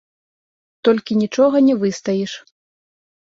Толькі нічога не выстаіш.